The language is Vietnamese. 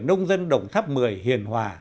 nông dân đồng tháp một mươi hiền hòa